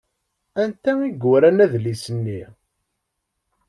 Anta i yuran adlis-nni?